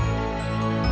ibu belum terima